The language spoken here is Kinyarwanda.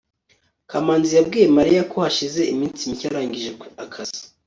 kamanzi yabwiye mariya ko hashize iminsi mike arangije akazi